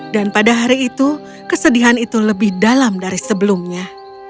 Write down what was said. dan pada hari itu kesedihan itu lebih dalam dari sebelumnya